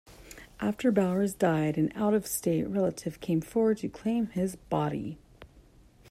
After Bowers died, an out-of-state relative came forward to claim his body.